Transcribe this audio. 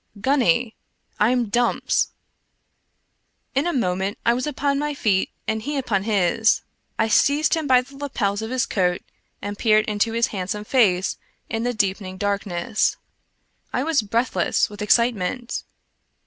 Gunny, I'm Dumps!" In a moment I was upon my feet and he upon his. I seized him by the lapels of his coat and peered into his handsome face in the deepening darkness. I was breathless with excitement.